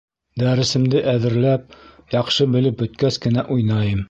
Дәресемде әҙерләп, яҡшы белеп бөткәс кенә уйнайым.